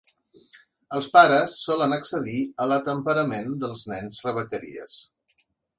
Els pares solen accedir a la temperament dels nens rebequeries.